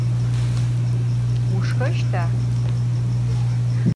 Vuşşxeşta?